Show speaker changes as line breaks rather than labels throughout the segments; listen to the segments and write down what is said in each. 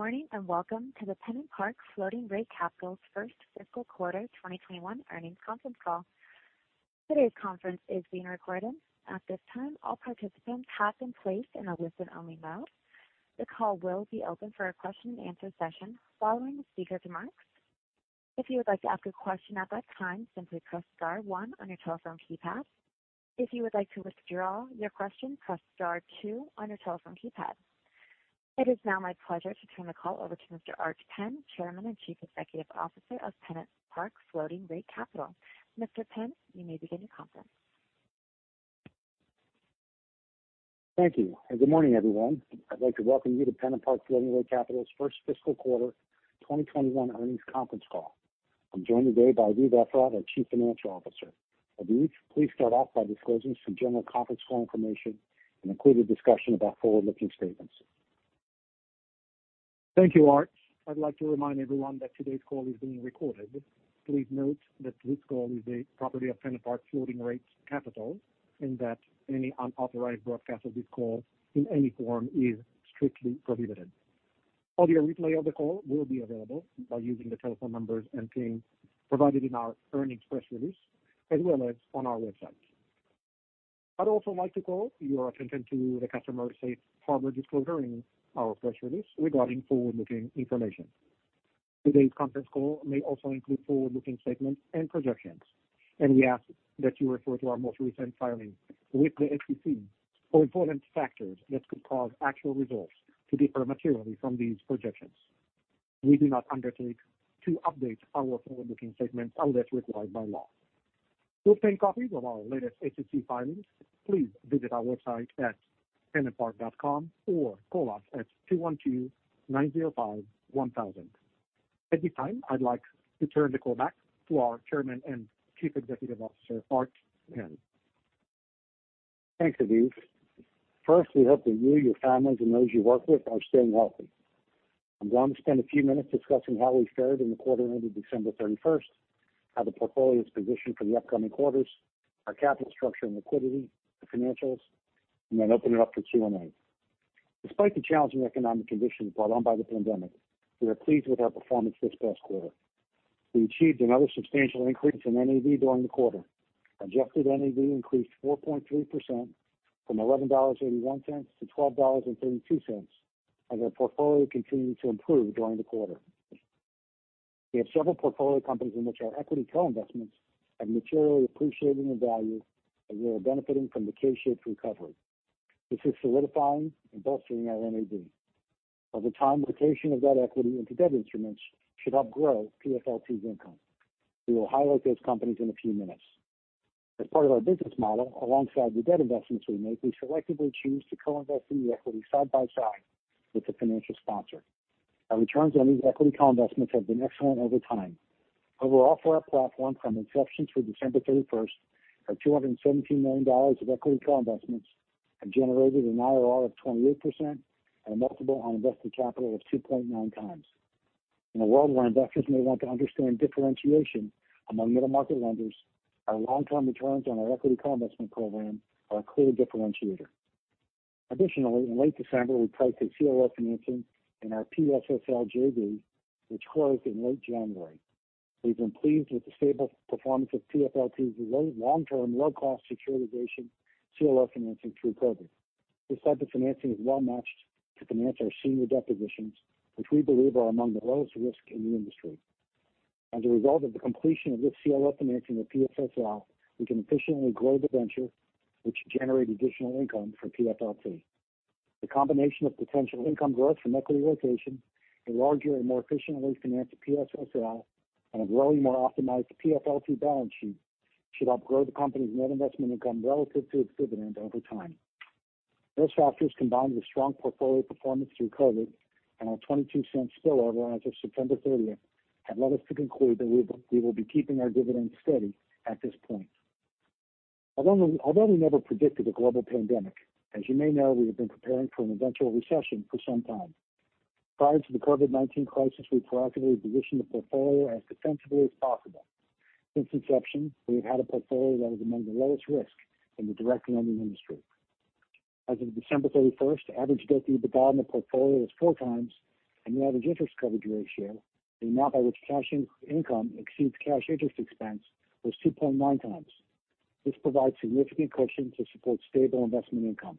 Good morning, welcome to the PennantPark Floating Rate Capital's first fiscal quarter 2021 earnings conference call. Today's conference is being recorded. At this time, all participants have been placed in a listen-only mode. The call will be open for a question-and-answer session following the speakers' remarks. If you would like to ask a question at that time, simply press star one on your telephone keypad. If you would like to withdraw your question, press star two on your telephone keypad. It is now my pleasure to turn the call over to Mr. Art Penn, Chairman and Chief Executive Officer of PennantPark Floating Rate Capital. Mr. Penn, you may begin your conference.
Thank you, and good morning, everyone. I'd like to welcome you to PennantPark Floating Rate Capital's first fiscal quarter 2021 earnings conference call. I'm joined today by Aviv Efrat, our Chief Financial Officer. Aviv, please start off by disclosing some general conference call information and include a discussion about forward-looking statements.
Thank you, Art. I'd like to remind everyone that today's call is being recorded. Please note that this call is a property of PennantPark Floating Rate Capital, and that any unauthorized broadcast of this call in any form is strictly prohibited. Audio replay of the call will be available by using the telephone numbers and PIN provided in our earnings press release, as well as on our website. I'd also like to call your attention to the Customary Safe Harbor disclosure in our press release regarding forward-looking information. Today's conference call may also include forward-looking statements and projections. We ask that you refer to our most recent filing with the SEC for important factors that could cause actual results to differ materially from these projections. We do not undertake to update our forward-looking statements unless required by law. To obtain copies of our latest SEC filings, please visit our website at pennantpark.com or call us at 212-905-1000. At this time, I'd like to turn the call back to our Chairman and Chief Executive Officer, Art Penn.
Thanks, Aviv. First, we hope that you, your families, and those you work with are staying healthy. I'm going to spend a few minutes discussing how we fared in the quarter ended December 31st, how the portfolio is positioned for the upcoming quarters, our capital structure and liquidity, the financials, and then open it up for Q&A. Despite the challenging economic conditions brought on by the pandemic, we are pleased with our performance this past quarter. We achieved another substantial increase in NAV during the quarter. Adjusted NAV increased 4.3%, from $11.81-$12.32, as our portfolio continued to improve during the quarter. We have several portfolio companies in which our equity co-investments have materially appreciated in value, and we are benefiting from the K-shaped recovery. This is solidifying and bolstering our NAV. At the time, rotation of that equity into debt instruments should help grow PFLT's income. We will highlight those companies in a few minutes. As part of our business model, alongside the debt investments we make, we selectively choose to co-invest in the equity side by side with the financial sponsor. Our returns on these equity co-investments have been excellent over time. Overall for our platform from inception through December 31st, our $217 million of equity co-investments have generated an IRR of 28% and a multiple on invested capital of 2.9x. In a world where investors may want to understand differentiation among middle-market lenders, our long-term returns on our equity co-investment program are a clear differentiator. Additionally, in late December, we priced a CLO financing in our PSSL JV, which closed in late January. We've been pleased with the stable performance of PFLT's long-term, low-cost securitization CLO financing through COVID. This type of financing is well-matched to finance our senior debt positions, which we believe are among the lowest risk in the industry. As a result of the completion of this CLO financing with PSSL, we can efficiently grow the venture, which should generate additional income for PFLT. The combination of potential income growth from equity rotation, a larger and more efficiently financed PSSL, and a growing, more optimized PFLT balance sheet should help grow the company's net investment income relative to its dividend over time. Those factors, combined with strong portfolio performance through COVID and our $0.22 spillover as of September 30th, have led us to conclude that we will be keeping our dividend steady at this point. Although we never predicted a global pandemic, as you may know, we have been preparing for an eventual recession for some time. Prior to the COVID-19 crisis, we proactively positioned the portfolio as defensively as possible. Since inception, we have had a portfolio that was among the lowest risk in the direct lending industry. As of December 31st, average debt EBITDA in the portfolio was 4x, and the average interest coverage ratio, the amount by which cash income exceeds cash interest expense, was 2.9x. This provides significant cushion to support stable investment income.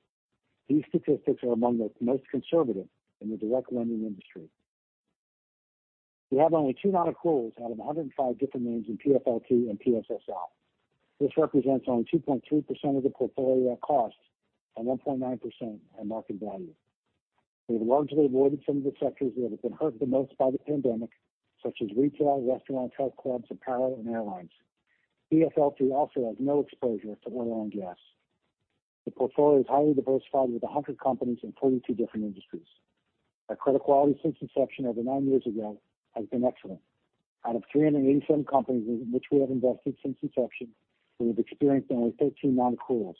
These statistics are among the most conservative in the direct lending industry. We have only two non-accruals out of 105 different names in PFLT and PSSL. This represents only 2.2% of the portfolio at cost and 1.9% at market value. We've largely avoided some of the sectors that have been hurt the most by the pandemic, such as retail, restaurant, health clubs, apparel, and airlines. PFLT also has no exposure to oil and gas. The portfolio is highly diversified with 100 companies in 42 different industries. Our credit quality since inception over nine years ago has been excellent. Out of 387 companies in which we have invested since inception, we have experienced only 13 non-accruals.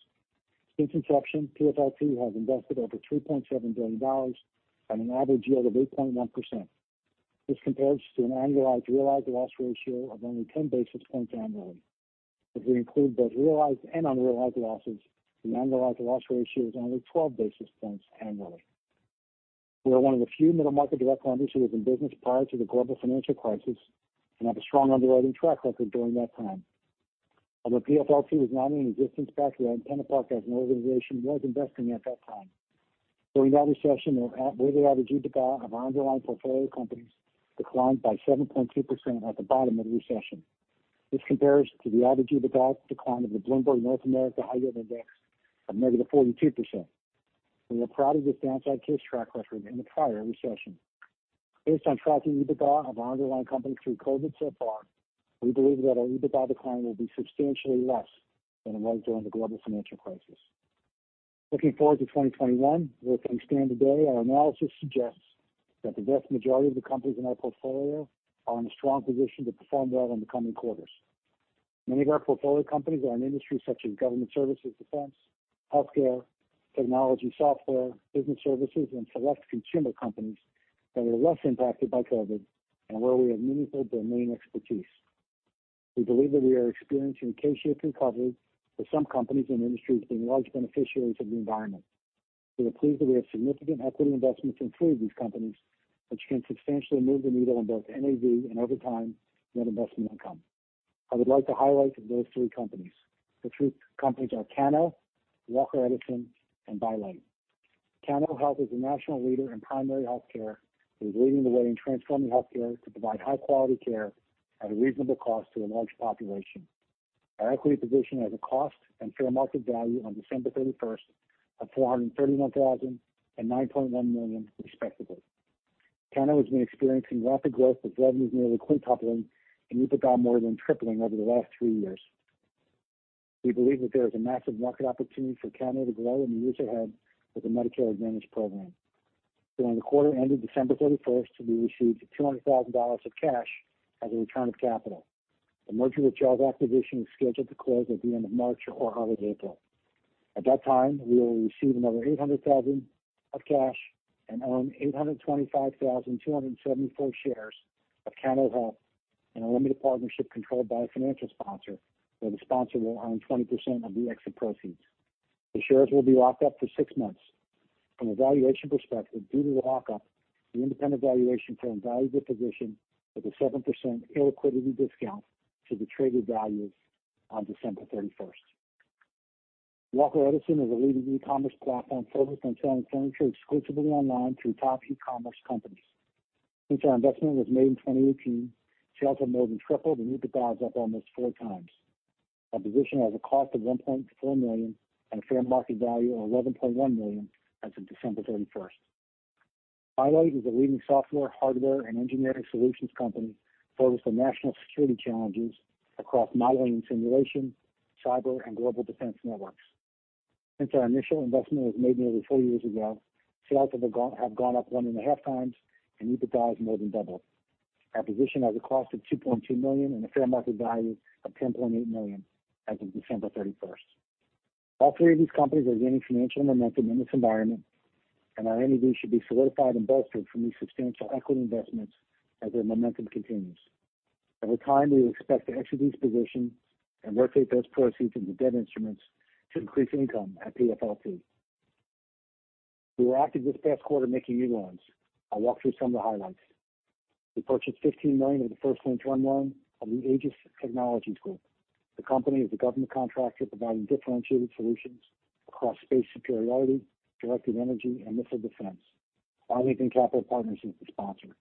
Since inception, PFLT has invested over $3.7 billion at an average yield of 8.1%. This compares to an annualized realized loss ratio of only 10 basis points annually. If we include both realized and unrealized losses, the annualized loss ratio is only 12 basis points annually. We are one of the few middle market direct lenders who was in business prior to the global financial crisis and have a strong underwriting track record during that time. Although PFLT was not in existence back then, PennantPark as an organization was investing at that time. During that recession, the weighted average EBITDA of our underlying portfolio companies declined by 7.2% at the bottom of the recession. This compares to the average EBITDA decline of the Bloomberg North America High Yield Index of -42%. We are proud of this downside risk track record in the prior recession. Based on tracking EBITDA of our underlying companies through COVID so far, we believe that our EBITDA decline will be substantially less than it was during the global financial crisis. Looking forward to 2021, where it can stand today, our analysis suggests that the vast majority of the companies in our portfolio are in a strong position to perform well in the coming quarters. Many of our portfolio companies are in industries such as government services, defense, healthcare, technology, software, business services, and select consumer companies that are less impacted by COVID-19 and where we have meaningful domain expertise. We believe that we are experiencing K-shaped recovery with some companies and industries being large beneficiaries of the environment. We are pleased that we have significant equity investments in three of these companies, which can substantially move the needle on both NAV and over time, net investment income. I would like to highlight those three companies. The three companies are Cano, Walker Edison, and By Light. Cano Health is a national leader in primary healthcare who is leading the way in transforming healthcare to provide high-quality care at a reasonable cost to a large population. Our equity position has a cost and fair market value on December 31st of $431,000 and $9.1 million respectively. Cano has been experiencing rapid growth with revenues nearly quintupling and EBITDA more than tripling over the last 3 years. We believe that there is a massive market opportunity for Cano to grow in the years ahead with the Medicare Advantage program. During the quarter ending December 31st, we received $200,000 of cash as a return of capital. The merger with Jaws Acquisition Corp. is scheduled to close at the end of March or early April. At that time, we will receive another $800,000 of cash and own 825,274 shares of Cano Health in a limited partnership controlled by a financial sponsor, where the sponsor will own 20% of the exit proceeds. The shares will be locked up for six months. From a valuation perspective, due to the lockup, the independent valuation firm valued the position with a 7% illiquidity discount to the traded values on December 31st. Walker Edison is a leading e-commerce platform focused on selling furniture exclusively online through top e-commerce companies. Since our investment was made in 2018, sales have more than tripled, and EBITDA is up almost four times. Our position has a cost of $1.4 million and a fair market value of $11.1 million as of December 31st. By Light is a leading software, hardware, and engineering solutions company focused on national security challenges across modeling and simulation, cyber, and global defense networks. Since our initial investment was made nearly four years ago, sales have gone up 1.5x and EBITDA has more than doubled. Our position has a cost of $2.2 million and a fair market value of $10.8 million as of December 31st. All three of these companies are gaining financial momentum in this environment, and our NAV should be solidified and bolstered from these substantial equity investments as their momentum continues. Over time, we expect to exit these positions and rotate those proceeds into debt instruments to increase income at PFLT. We were active this past quarter making new loans. I'll walk through some of the highlights. We purchased $15 million of the first lien term loan of the AEgis Technologies Group. The company is a government contractor providing differentiated solutions across space superiority, directed energy, and missile defense. Arlington Capital Partners is the sponsor.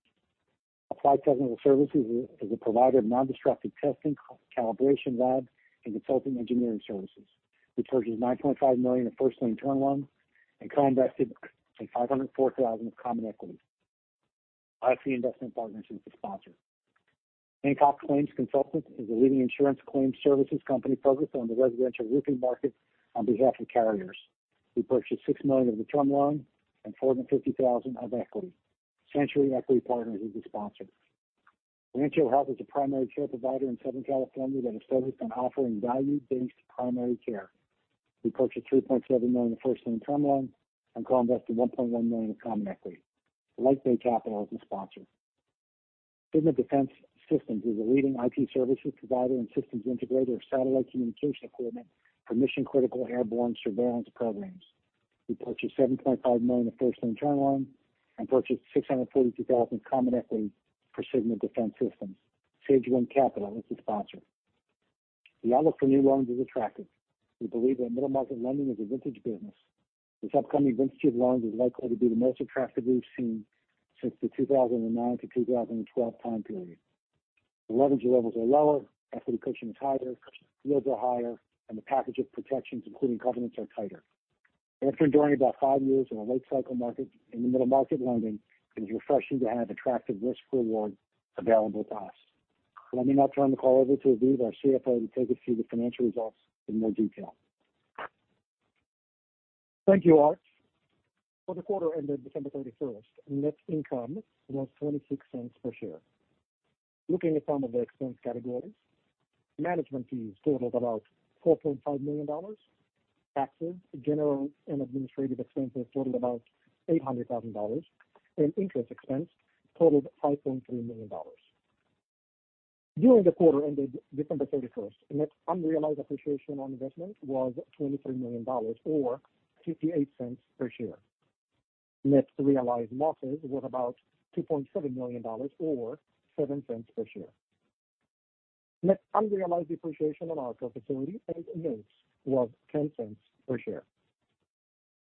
Applied Technical Services is a provider of non-destructive testing, calibration lab, and consulting engineering services. We purchased $9.5 million of first lien term loans and co-invested $504,000 of common equity. IFC Investment Partners is the sponsor. Hancock Claims Consultants is a leading insurance claims services company focused on the residential roofing market on behalf of carriers. We purchased $6 million of the term loan and $450,000 of equity. Century Equity Partners is the sponsor. Rancho Health is a primary care provider in Southern California that is focused on offering value-based primary care. We purchased $3.7 million of first lien term loans and co-invested $1.1 million of common equity. Lake Bay Capital is the sponsor. Sigma Defense Systems is a leading IT services provider and systems integrator of satellite communication equipment for mission-critical airborne surveillance programs. We purchased $7.5 million of first lien term loans and purchased $642,000 in common equity for Sigma Defense Systems. Sagewind Capital is the sponsor. The outlook for new loans is attractive. We believe that middle market lending is a vintage business. This upcoming vintage of loans is likely to be the most attractive we've seen since the 2009-2012 time period. Leverage levels are lower, equity cushion is higher, yields are higher, and the package of protections, including covenants, are tighter. After enduring about five years in a late-cycle market in the middle market lending, it is refreshing to have attractive risk-reward available to us. Let me now turn the call over to Aviv, our CFO, to take us through the financial results in more detail.
Thank you, Art. For the quarter ended December 31st, net income was $0.26 per share. Looking at some of the expense categories, management fees totaled about $4.5 million. Taxes, general, and administrative expenses totaled about $800,000, and interest expense totaled $5.3 million. During the quarter ended December 31st, net unrealized appreciation on investment was $23 million, or $0.58 per share. Net realized losses were about $2.7 million, or $0.07 per share. Net unrealized depreciation of our credit facility and notes was $0.10 per share.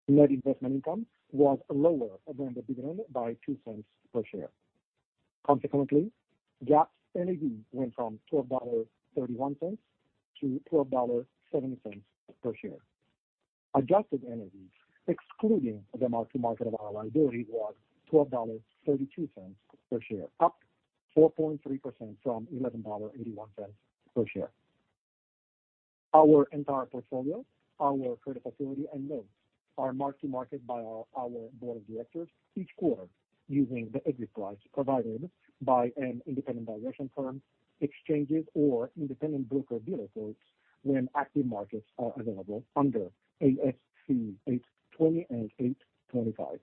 Net investment income was lower than the dividend by $0.02 per share. Consequently, GAAP NAV went from $12.31-$12.07 per share. Adjusted NAV, excluding the mark-to-market of our liability, was $12.32 per share, up 4.3% from $11.81 per share. Our entire portfolio, our credit facility, and notes are marked to market by our board of directors each quarter using the exit price provided by an independent valuation firm, exchanges, or independent broker-dealer quotes when active markets are available under ASC 820 and ASC 825.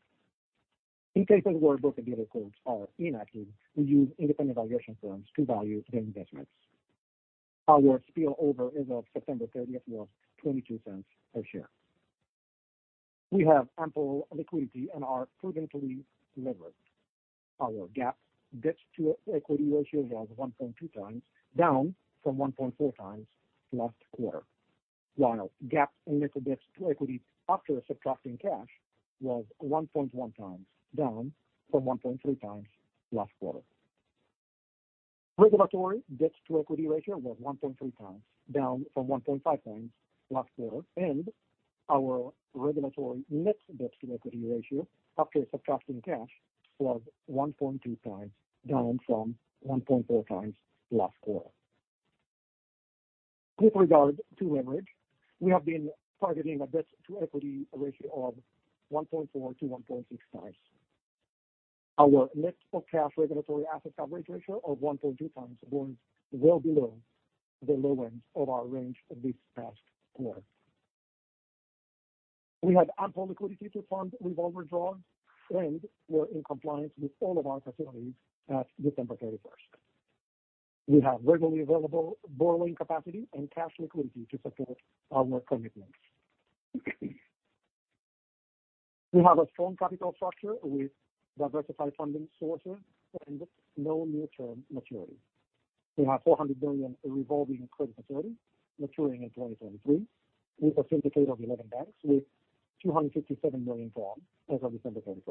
In cases where broker-dealer quotes are inactive, we use independent valuation firms to value the investments. Our spillover as of September 30th was $0.22 per share. We have ample liquidity and are prudently levered. Our GAAP debt-to-equity ratio was 1.2x, down from 1.4x last quarter, while GAAP net debt-to-equity after subtracting cash was 1.1 x, down from 1.3x last quarter. Regulatory debt-to-equity ratio was 1.3x, down from 1.5x last quarter, and our regulatory net debt-to-equity ratio after subtracting cash was 1.2x, down from 1.4x last Quarter. With regard to leverage, we have been targeting a debt-to-equity ratio of 1.4x-1.6x. Our net book cash regulatory asset coverage ratio of 1.2x was well below the low end of our range this past quarter. We had ample liquidity to fund revolver draws and were in compliance with all of our facilities at December 31st. We have readily available borrowing capacity and cash liquidity to support our commitments. We have a strong capital structure with diversified funding sources and no near-term maturities. We have $400 billion in revolving credit facility maturing in 2023 with a syndicate of 11 banks with $257 million drawn as of December 31st.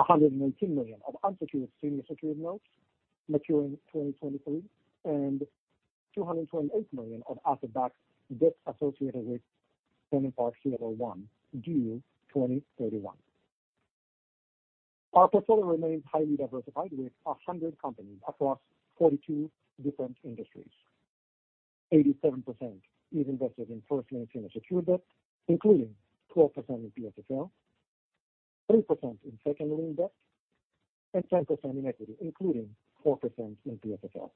$119 million of unsecured senior secured notes maturing 2023, and $228 million of asset-backed debt associated with PennantPark [inaudible] due 2031. Our portfolio remains highly diversified with 100 companies across 42 different industries. 87% is invested in first lien senior secured debt, including 12% in PSSL, 3% in second lien debt, and 10% in equity, including 4% in PSSL.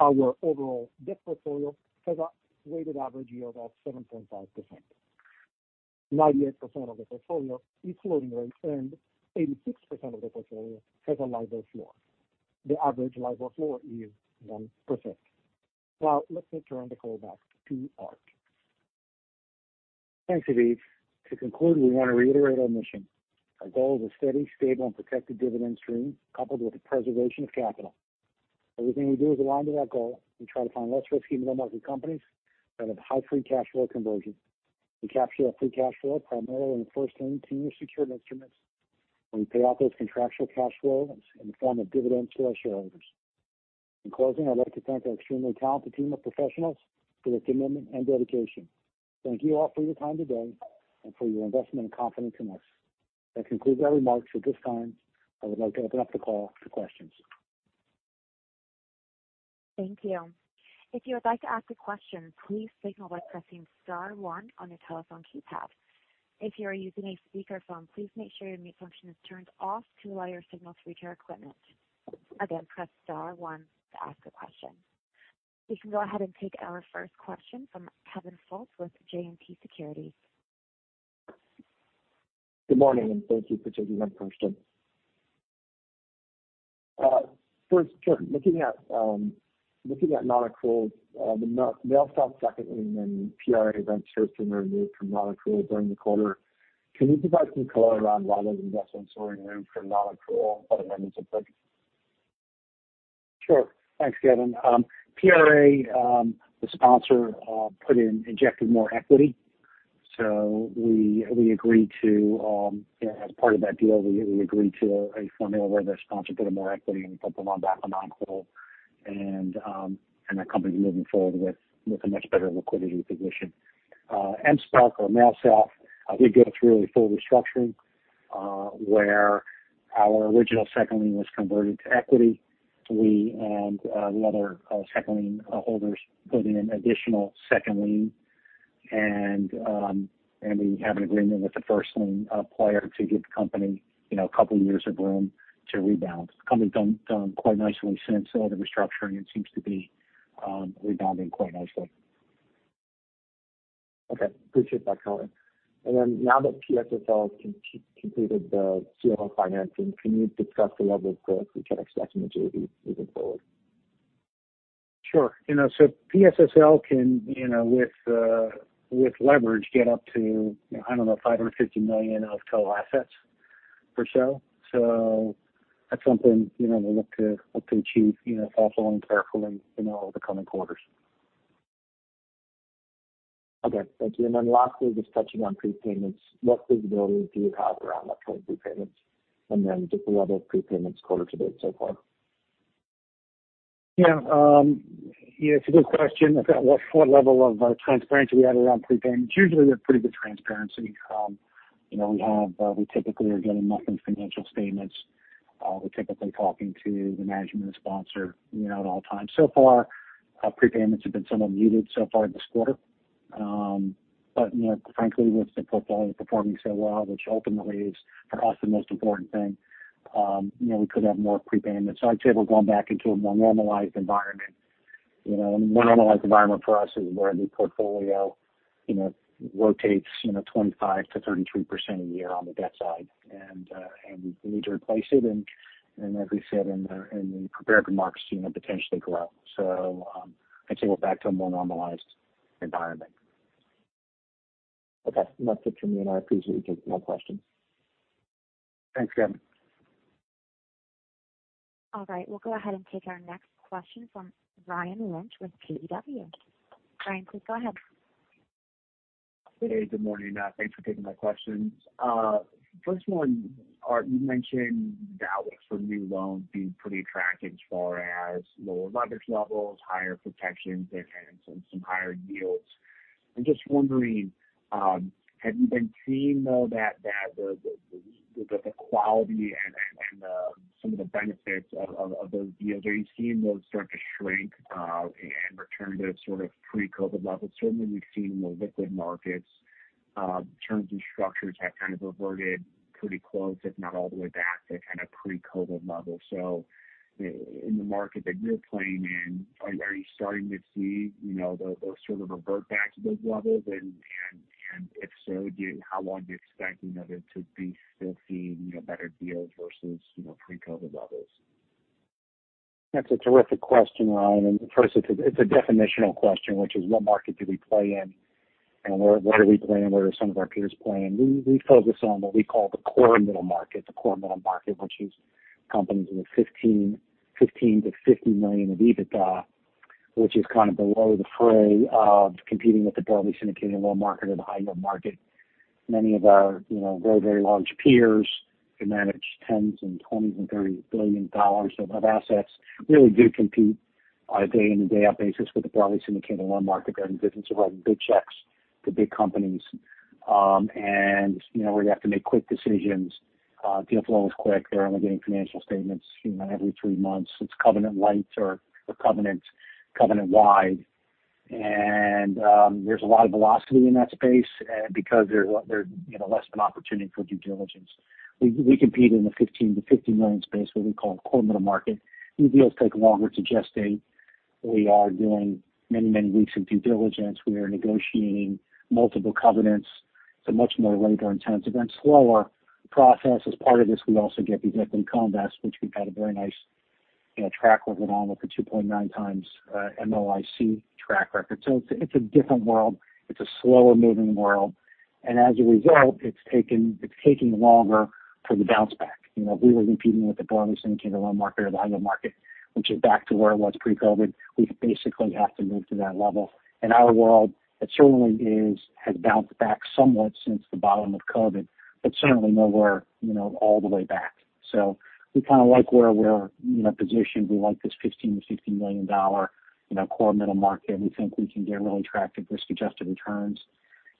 Our overall debt portfolio has a weighted average yield of 7.5%. 98% of the portfolio is floating rate, and 86% of the portfolio has a LIBOR floor. The average LIBOR floor is 1%. Now let me turn the call back to Art.
Thanks, Aviv. To conclude, we want to reiterate our mission. Our goal is a steady, stable, and protected dividend stream coupled with the preservation of capital. Everything we do is aligned to that goal. We try to find less risky middle-market companies that have high free cash flow conversion. We capture that free cash flow primarily in first lien senior secured instruments. We pay out those contractual cash flows in the form of dividends to our shareholders. In closing, I'd like to thank our extremely talented team of professionals for their commitment and dedication. Thank you all for your time today and for your investment and confidence in us. That concludes our remarks. At this time, I would like to open up the call to questions.
Thank you. If you would like to ask a question, please signal by pressing star one on your telephone keypad. If you are using a speakerphone, please make sure your mute function is turned off to allow your signal through to our equipment. Again, press star one to ask a question. We can go ahead and take our first question from Kevin Fultz with JMP Securities.
Good morning. Thank you for taking my question. First, looking at non-accrual, the mail stop second lien and PRA events certainly removed from non-accrual during the quarter. Can you provide some color around why those investments were removed from non-accrual by the management team?
Sure. Thanks, Kevin. PRA, the sponsor injected more equity. As part of that deal, we agreed to a formula where the sponsor put in more equity and we put them on back on non-accrual. That company's moving forward with a much better liquidity position. Marketplace Events, we went through a full restructuring, where our original second lien was converted to equity. We and the other second lien holders put in an additional second lien. We have an agreement with the first lien player to give the company a couple of years of room to rebound. The company's done quite nicely since the restructuring. It seems to be rebounding quite nicely.
Okay. Appreciate that color. Now that PSSL has completed the CLO financing, can you discuss the level of growth we can expect from the JV moving forward?
Sure. PSSL can, with leverage, get up to, I don't know, $550 million of total assets or so. That's something, we look to achieve thoughtfully and carefully in all the coming quarters.
Okay. Thank you. Lastly, just touching on prepayments. What visibility do you have around that kind of prepayments, and then just the level of prepayments quarter to date so far?
Yeah. It's a good question about what level of transparency we have around prepayments. Usually, we have pretty good transparency. We typically are getting monthly financial statements. We're typically talking to the management sponsor at all times. So far, prepayments have been somewhat muted so far this quarter. Frankly, with the portfolio performing so well, which ultimately is, for us, the most important thing, we could have more prepayments. I'd say we're going back into a more normalized environment. A more normalized environment for us is where the portfolio rotates 25%-33% a year on the debt side. We need to replace it and, as we said, in the prepared remarks, potentially grow. I'd say we're back to a more normalized environment.
Okay. That's it from me, and I appreciate you taking my questions.
Thanks, Kevin.
All right. We will go ahead and take our next question from Ryan Lynch with KBW. Ryan, please go ahead.
Hey, good morning. Thanks for taking my questions. First one, Art, you mentioned the outlook for new loans being pretty attractive as far as lower leverage levels, higher protection, and some higher yields. I'm just wondering, have you been seeing, though, that the quality and some of the benefits of those deals, are you seeing those start to shrink, and return to sort of pre-COVID levels? Certainly, we've seen the liquid markets, in terms of structures, have kind of reverted pretty close, if not all the way back to kind of pre-COVID levels. In the market that you're playing in, are you starting to see those sort of revert back to those levels? If so, how long are you expecting it to be still seeing better deals versus pre-COVID levels?
That's a terrific question, Ryan. First, it's a definitional question, which is what market do we play in, and where are we playing? Where are some of our peers playing? We focus on what we call the core middle market. The core middle market, which is companies with $15 million-$50 million of EBITDA, which is kind of below the fray of competing with the broadly syndicated loan market or the high-yield market. Many of our very large peers who manage $10 billion, $20 billion and $30 billion of assets really do compete on a day-in and day-out basis with the broadly syndicated loan market. They're in the business of writing big checks to big companies. Where you have to make quick decisions. Deal flow is quick. They're only getting financial statements every three months. It's covenant-lite or covenant-wide. There's a lot of velocity in that space because there's less of an opportunity for due diligence. We compete in the $15 million-$50 million space, what we call core middle market. These deals take longer to gestate. We are doing many weeks of due diligence. We are negotiating multiple covenants, so much more labor-intensive and slower process. As part of this, we also get the equity co-invest, which we've had a very nice track record on with a 2.9x MOIC track record. It's a different world. It's a slower-moving world. As a result, it's taking longer for the bounce back. If we were competing with the broadly syndicated loan market or the high-yield market, which is back to where it was pre-COVID, we basically have to move to that level. In our world, it certainly has bounced back somewhat since the bottom of COVID, but certainly nowhere all the way back. We kind of like where we're positioned. We like this $15 million-$50 million core middle market. We think we can get really attractive risk-adjusted returns.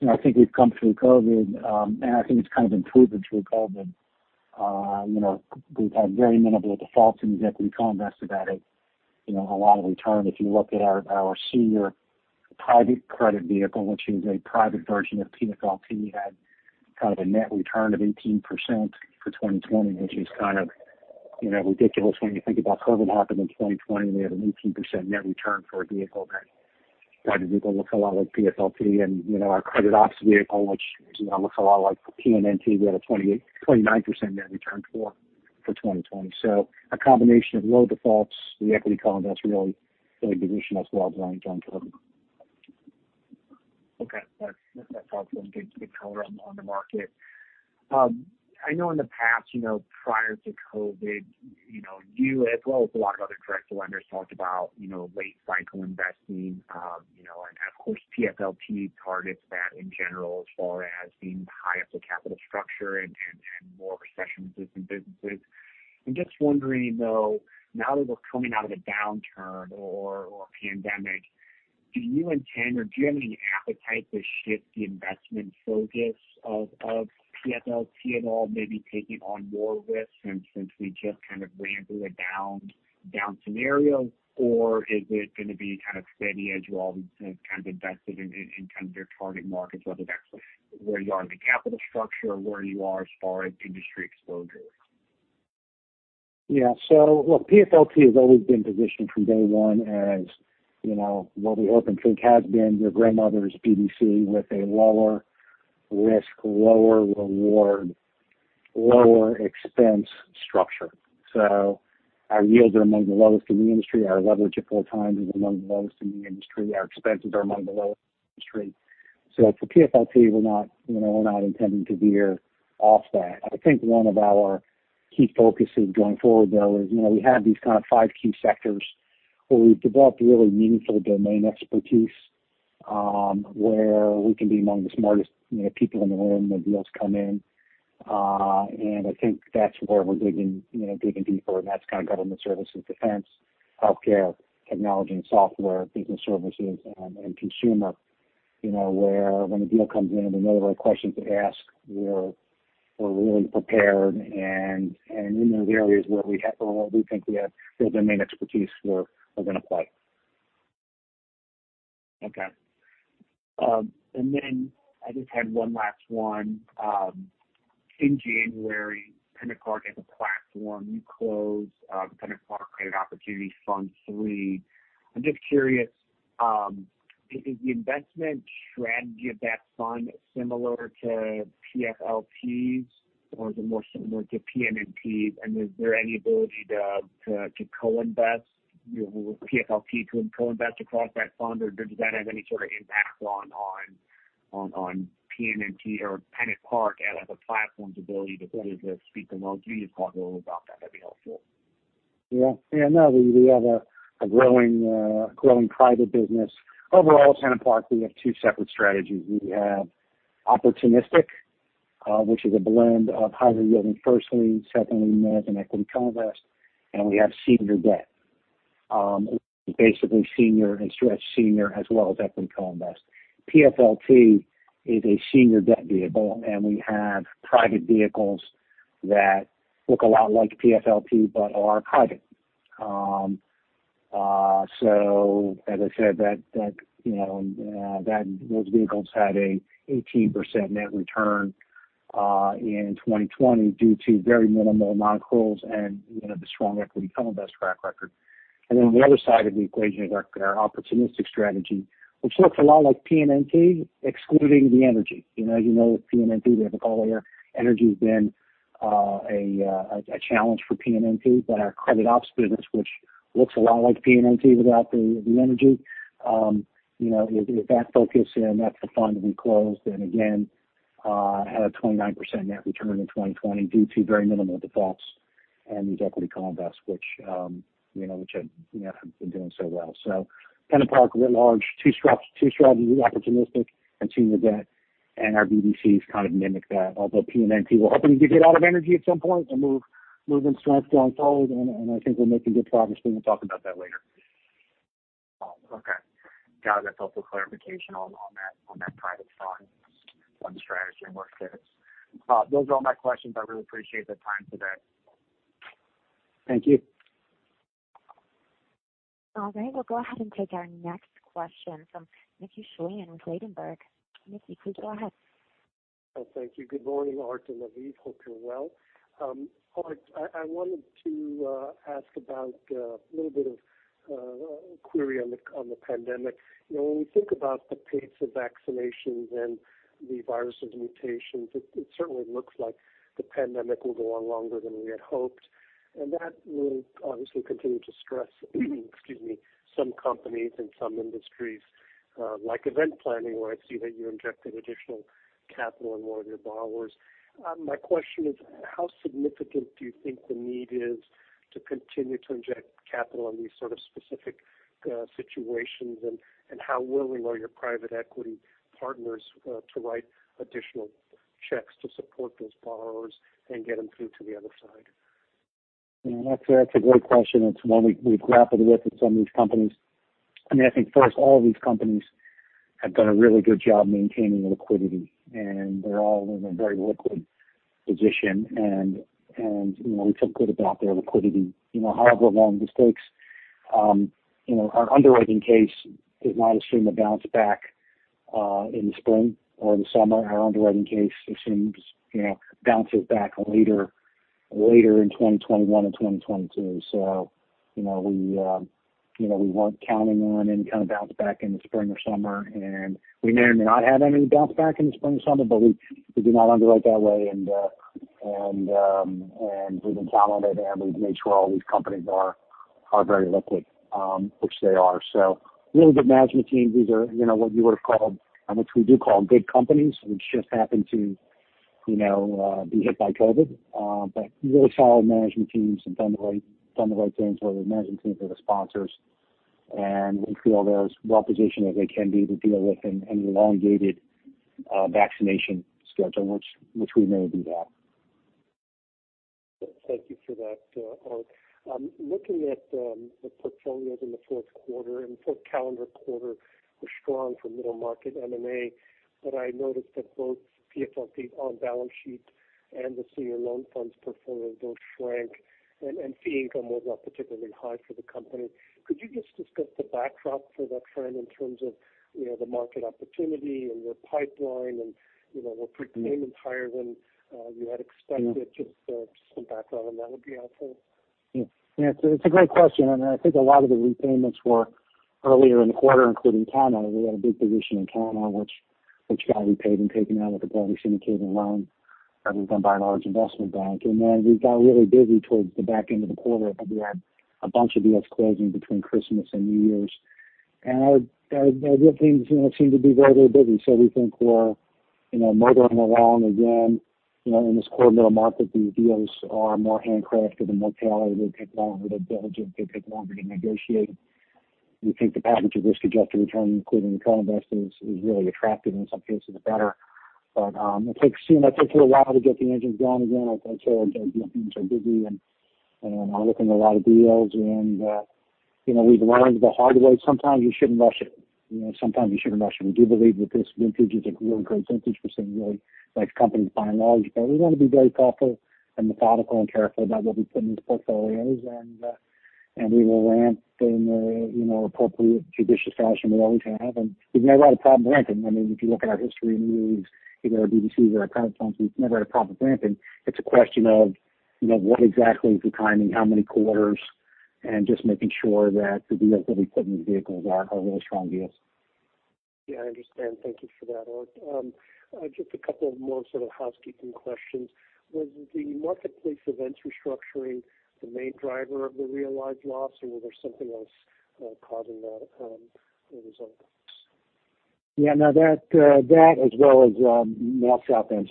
I think we've come through COVID. I think it's kind of improved through COVID. We've had very [minimal defaults in the equity co-invested side]. A lot of return. If you look at our senior private credit vehicle, which is a private version of PSSL, we had kind of a net return of 18% for 2020, which is kind of ridiculous when you think about COVID happened in 2020. We had an 18% net return for a vehicle that looks a lot like PSSL. Our Credit Ops vehicle, which looks a lot like PNNT, we had a 29% net return for 2020. A combination of low defaults, the equity co-invest really positioned us well during COVID.
Okay. That's helpful and good color on the market. I know in the past, prior to COVID-19, you as well as a lot of other direct lenders talked about late-cycle investing. Of course, PFLT targets that in general as far as being high up the capital structure and more recession-resistant businesses. I'm just wondering, though, now that we're coming out of the downturn or pandemic, do you intend or do you have any appetite to shift the investment focus of PFLT at all, maybe taking on more risks since we just kind of ran through a down scenario? Or is it going to be kind of steady as you all have been kind of invested in kind of your target markets, whether that's where you are in the capital structure or where you are as far as industry exposure?
Yeah. Look, PFLT has always been positioned from day one as what we hope and think has been your grandmother's BDC with a lower risk, lower reward, lower expense structure. Our yields are among the lowest in the industry. Our leverage at four times is among the lowest in the industry. Our expenses are among the lowest in the industry. For PFLT, we're not intending to veer off that. I think one of our key focuses going forward, though, is we have these kind of five key sectors where we've developed a really meaningful domain expertise, where we can be among the smartest people in the room when deals come in. I think that's where we're digging deeper, and that's kind of government services, defense, healthcare, technology and software, business services, and consumer. Where when a deal comes in, we know the right questions to ask. We're really prepared, and in those areas where we think we have real domain expertise we're going to play.
Okay. I just had one last one. In January, PennantPark as a platform, you closed PennantPark Credit Opportunities Fund III. I'm just curious, is the investment strategy of that fund similar to PFLT's, or is it more similar to PNNT's? Is there any ability to co-invest, PFLT to co-invest across that fund, or does that have any sort of impact on PNNT or PennantPark as a platform's ability to sort of speak to those? Can you just talk a little about that? That'd be helpful.
No, we have a growing private business. Overall, at PennantPark, we have two separate strategies. We have opportunistic, which is a blend of highly yielding first lien, second lien notes and equity co-invest, and we have senior debt. Basically, senior and stretched senior as well as equity co-invest. PFLT is a senior debt vehicle, and we have private vehicles that look a lot like PFLT but are private. As I said, those vehicles had an 18% net return in 2020 due to very minimal non-accruals and the strong equity co-invest track record. On the other side of the equation is our opportunistic strategy, which looks a lot like PNNT excluding the energy. You know PNNT, we have it all there. Energy has been a challenge for PNNT. Our credit ops business, which looks a lot like PNNT without the energy. With that focus in, that's a fund we closed. Again, had a 29% net return in 2020 due to very minimal defaults and these equity co-invests which have been doing so well. PennantPark writ large, two strategies, opportunistic and senior debt, and our BDCs kind of mimic that. Although PNNT, we're hoping to get out of energy at some point and move in strength going forward, and I think we're making good progress. Maybe we'll talk about that later.
Okay. Got it. That's helpful clarification on that private fund strategy and where it fits. Those are all my questions. I really appreciate the time today.
Thank you.
All right, we'll go ahead and take our next question from Mickey Schleien in Ladenburg. Mickey, please go ahead.
Thank you. Good morning, Art and Aviv. Hope you're well. Art, I wanted to ask about a little bit of a query on the pandemic. When we think about the pace of vaccinations and the virus' mutations, it certainly looks like the pandemic will go on longer than we had hoped, and that will obviously continue to stress some companies and some industries, like event planning, where I see that you injected additional capital in one of your borrowers. My question is, how significant do you think the need is to continue to inject capital in these sort of specific situations, and how willing are your private equity partners to write additional checks to support those borrowers and get them through to the other side?
That's a great question. It's one we've grappled with in some of these companies. I think first, all these companies have done a really good job maintaining liquidity, and they're all in a very liquid position, and we feel good about their liquidity. However long this takes, our underwriting case does not assume a bounce back in the spring or the summer. Our underwriting case assumes bounces back later in 2021 and 2022. We weren't counting on any kind of bounce back in the spring or summer. We may or may not have any bounce back in the spring or summer, but we do not underwrite that way. We've been counting on it, and we've made sure all these companies are very liquid, which they are. Really good management teams. These are what you would've called, and which we do call, good companies, which just happen to be hit by COVID. Really solid management teams and done the right things, whether the management teams or the sponsors. We feel they're as well-positioned as they can be to deal with an elongated vaccination schedule, which we may do that.
Thank you for that, Art. Looking at the portfolios in the fourth quarter, and fourth calendar quarter was strong for middle market M&A, but I noticed that both PFLT on balance sheet and the senior loan funds portfolio both shrank, and fee income was up particularly high for the company. Could you just discuss the backdrop for that trend in terms of the market opportunity and your pipeline and were prepayments higher than you had expected? Just some background on that would be helpful.
Yeah. It's a great question, and I think a lot of the repayments were earlier in the quarter, including Tana. We had a big position in Tana, which got repaid and taken out of the public syndicated loan that was done by a large investment bank. Then we got really busy towards the back end of the quarter. I think we had a bunch of deals closing between Christmas and New Year's. Our real teams seem to be very, very busy, so we think we're motoring along again. In this core middle market, the deals are more handcrafted and more tailored. They take longer. They're diligent. They take longer to negotiate. We think the package of risk-adjusted return, including the current investors, is really attractive, and in some cases, better. It takes a little while to get the engines going again. Like I said, things are busy, we're looking at a lot of deals, and we've learned the hard way. Sometimes you shouldn't rush it. We do believe that this vintage is a really great vintage for some really large companies to buy and large. We want to be very thoughtful and methodical and careful about what we put in these portfolios. We will ramp in the appropriate, judicious fashion we always have. We've never had a problem ramping. If you look at our history and the moves, either our BDCs or our private funds, we've never had a problem ramping. It's a question of what exactly is the timing, how many quarters, and just making sure that the deals that we put in the vehicles are really strong deals.
Yeah, I understand. Thank you for that, Art. Just a couple of more sort of housekeeping questions. Was the Marketplace Events restructuring the main driver of the realized loss, or was there something else causing that result?
Yeah. No. That as well as Marketplace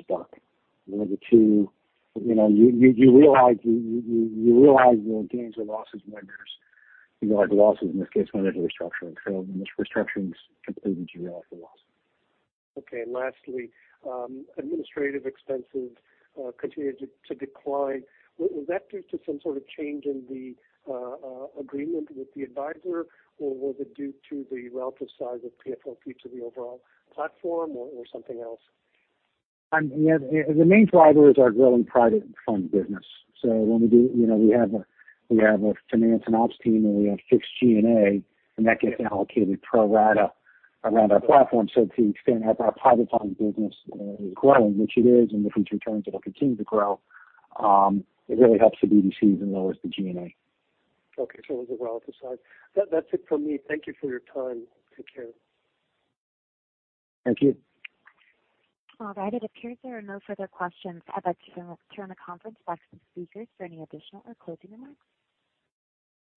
Events. You realize the gains or losses when there's losses, in this case, when there's restructuring. When there's restructurings, you realize the loss.
Okay. Lastly, administrative expenses continued to decline. Was that due to some sort of change in the agreement with the advisor, or was it due to the relative size of PFLT to the overall platform or something else?
The main driver is our growing private fund business. We have a finance and ops team, and we have fixed G&A, and that gets allocated pro rata around our platform. To the extent as our private fund business is growing, which it is, and we think in turn it'll continue to grow, it really helps the BDCs and lowers the G&A.
Okay. It was a relative size. That's it from me. Thank you for your time. Take care.
Thank you.
All right. It appears there are no further questions. I'd like to turn the conference back to the speakers for any additional or closing remarks.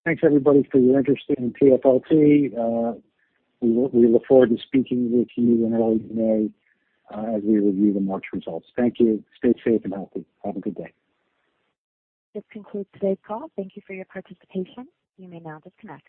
Thanks everybody for your interest in PFLT. We look forward to speaking with you in early May as we review the March results. Thank you. Stay safe and healthy. Have a good day.
This concludes today's call. Thank you for your participation. You may now disconnect.